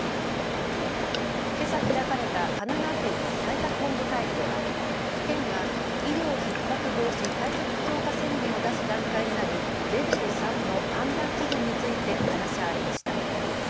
けさ開かれた神奈川県の対策本部会議では県が医療ひっ迫防止対策強化宣言を出す段階になるレベル３の判断基準について話し合われました。